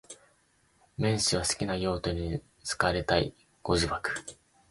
綿 h 氏は好きな使途に好かれたい。ご自爆